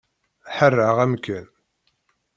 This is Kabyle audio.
Ḥeṛṛeɣ amkan.